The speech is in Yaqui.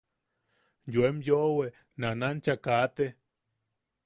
Yoem yoʼowe nanancha kate.